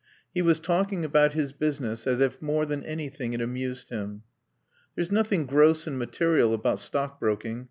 He was talking about his business as if more than anything it amused him. "There's nothing gross and material about stock broking.